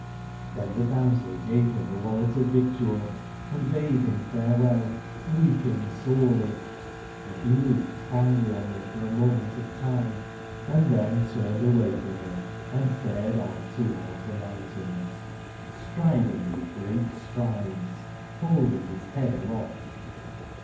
''j^TIhen the damsel gave him the wallet of victual, and bade him farewell, weeping sorely ; and he looked kindly on them for a moment of time, & then turned away from them and fared on toward the mountains, striding with great strides, holding his head aloft.